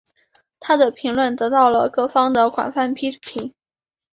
她的评论得到了各方的广泛批评。